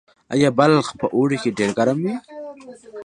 آیا بلخ په اوړي کې ډیر ګرم وي؟